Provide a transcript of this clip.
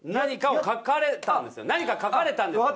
何か書かれたんですよ。